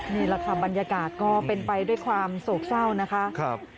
นี่แหละค่ะบรรยากาศก็เป็นไปด้วยความโศกเศร้านะคะ